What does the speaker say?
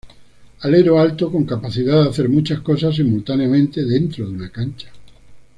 Alero alto con capacidad de hacer muchas cosas simultáneamente dentro de una cancha.